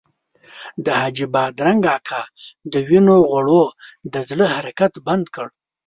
د حاجي بادرنګ اکا د وینو غوړو د زړه حرکت بند کړ.